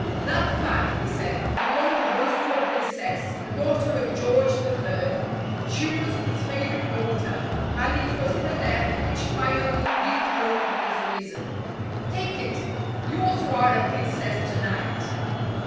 "That fan," he said, "belonged once to a princess, a daughter of George the Third. She was his favourite daughter, and it was her death which finally dethroned his reason. Take it; you also are a princess to night."